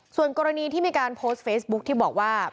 ส่วนกรณีที่มีการโพสต์เฟซบุ๊คที่บอกว่า